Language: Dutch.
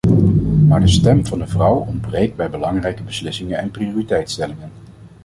Maar de stem van de vrouw ontbreekt bij belangrijke beslissingen en prioriteitstellingen.